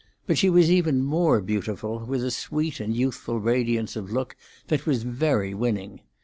But she was even more beautiful, with a sweet and youthful radiance of look that was very winning.